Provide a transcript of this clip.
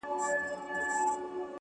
• په قفس پسي یی وکړل ارمانونه ,